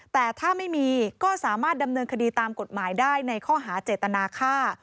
แต่ถ้าไม่มีก็สามารถดำเนินคดีตามกฎหมายได้ในข้อหาเจตนาค่า